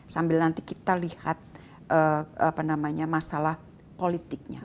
sambil nanti kita lihat masalah politiknya